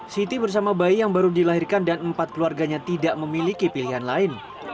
siti bersama bayi yang baru dilahirkan dan empat keluarganya tidak memiliki pilihan lain